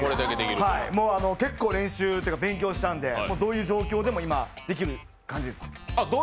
結構練習というか勉強したので、どういう状況でも今、できる感じです。